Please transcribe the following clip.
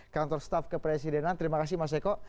kantor staf kepresidenan terima kasih mas eko